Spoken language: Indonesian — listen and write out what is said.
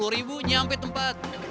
sepuluh ribu nyampe tempat